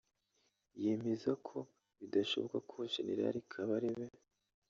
yemeza ko bidashoboka ko Gen Kabarebe